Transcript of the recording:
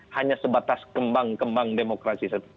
hanya sebatas kembang kembang demokrasi